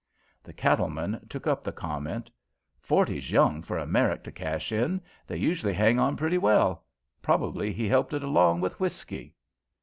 The cattleman took up the comment. "Forty's young for a Merrick to cash in; they usually hang on pretty well. Probably he helped it along with whisky."